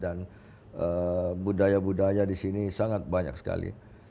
dan budaya budaya disini sangat banyak sekali